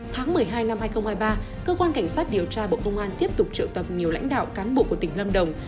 tháng một mươi hai năm hai nghìn hai mươi ba cơ quan cảnh sát điều tra bộ công an tiếp tục triệu tập nhiều lãnh đạo cán bộ của tỉnh lâm đồng